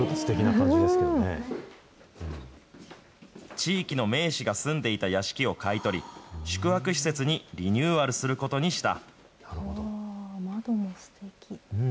地域の名士が住んでいた屋敷を買い取り、宿泊施設にリニューアルすることにした。